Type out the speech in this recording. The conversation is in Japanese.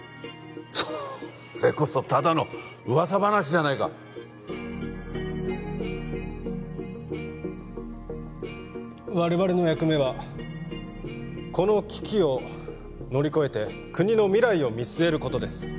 それこそただの噂話じゃないか我々の役目はこの危機を乗り越えて国の未来を見据えることです